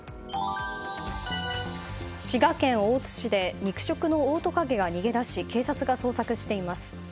滋賀県大津市で肉食のオオトカゲが逃げ出し警察が捜索しています。